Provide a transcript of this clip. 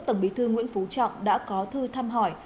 tổng bí thư nguyễn phú trọng đã có thư thăm hỏi